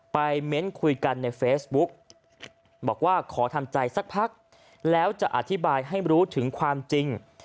เม้นคุยกันในเฟซบุ๊กบอกว่าขอทำใจสักพักแล้วจะอธิบายให้รู้ถึงความจริง